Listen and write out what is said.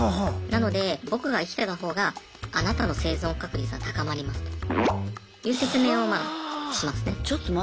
なので僕が生きてたほうがあなたの生存確率は高まりますという説明をまあしますね。